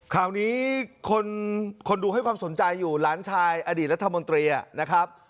ข่าวนี้คนดูให้ความสนใจอยู่หลานชายอดีตรัฐมนตรีนะครับ